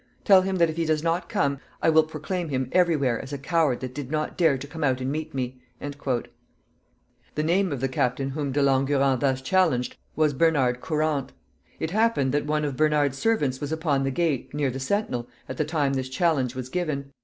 Tell him that if he does not come, I will proclaim him every where as a coward that did not dare to come out and meet me." The name of the captain whom De Langurant thus challenged was Bernard Courant. It happened that one of Bernard's servants was upon the gate, near the sentinel, at the time this challenge was given.